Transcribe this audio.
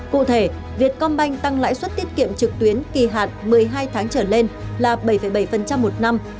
cụ thể vietcombank tăng lãi suất tiết kiệm trực tuyến kỳ hạn một mươi hai tháng trở lên là bảy bảy một năm